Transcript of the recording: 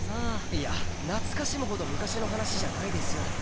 いや懐かしむほど昔の話じゃないですよ。